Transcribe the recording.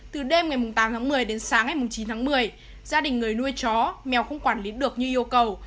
từ đêm ngày tám tháng một mươi đến sáng ngày chín tháng một mươi gia đình người nuôi chó mèo không quản lý được như yêu cầu